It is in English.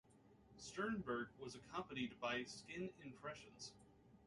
Sternberg was accompanied by skin impressions.